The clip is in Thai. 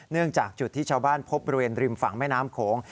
จากจุดที่ชาวบ้านพบบริเวณริมฝั่งแม่น้ำโขง